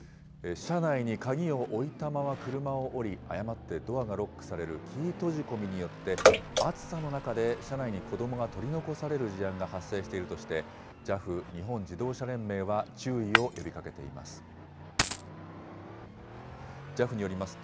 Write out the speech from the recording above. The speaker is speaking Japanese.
車内に鍵を置いたまま車を降り、誤ってドアがロックされる、キー閉じ込みによって、暑さの中で車内に子どもが取り残される事案が発生しているとして、ＪＡＦ・日本自動車連盟は注意を呼びかけています。